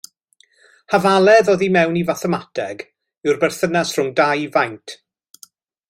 Hafaledd, oddi mewn i fathemateg, yw'r berthynas rhwng dau faint.